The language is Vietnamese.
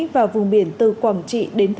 và vùng biển từ quảng đông